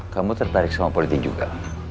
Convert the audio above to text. kamu tertarik sama politik juga